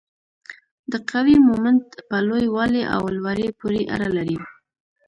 د قوې مومنت په لوی والي او لوري پورې اړه لري.